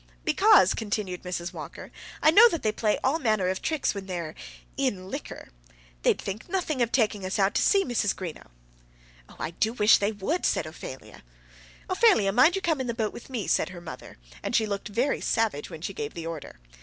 "Because," continued Mrs. Walker, "I know that they play all manner of tricks when they're in liquor. They'd think nothing of taking us out to sea, Mrs. Greenow." "Oh, I do wish they would," said Ophelia. "Ophelia, mind you come in the boat with me," said her mother, and she looked very savage when she gave the order.